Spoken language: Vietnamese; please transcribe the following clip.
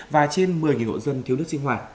và trên một mươi hộ dân thiếu nước sinh hoạt